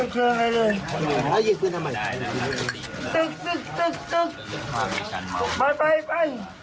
เชิงอะไรเลยแล้วยิงเพื่อนทำมาลายนะตึกตึกตึกตึกมาไปปั่น